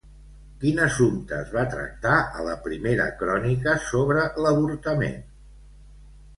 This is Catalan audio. Quin assumpte es va tractar a la primera crònica sobre l'avortament?